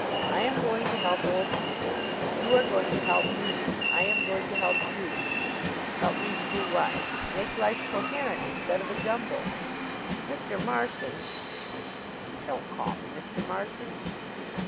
I am going to help old Peters you are going to help me I am going to help you." "Help me to do what?" "Make life coherent instead of a jumble." "Mr. Marson " "Don't call me Mr. Marson."